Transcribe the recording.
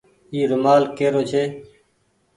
اي رومآل ڪي رو ڇي۔